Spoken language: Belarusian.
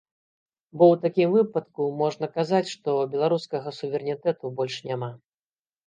Бо ў такім выпадку можна казаць, што беларускага суверэнітэту больш няма.